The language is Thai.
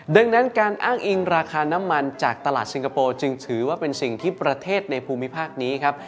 ดังนั้นการอ้างอิงราคาน้ำมันจากตลาดสิงคโปร์จึงถือว่าเป็นสิ่งที่ประเทศในภูมิภาคนี้ครับ